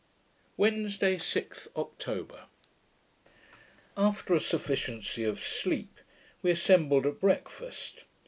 Wednesday, 6th October After a sufficiency of sleep, we assembled at breakfast.